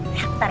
ya sebentar ya